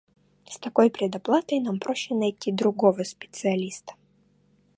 С такой предоплатой нам проще найти другого специалиста.